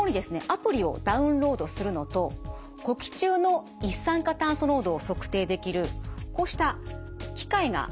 アプリをダウンロードするのと呼気中の一酸化炭素濃度を測定できるこうした機械が渡されます。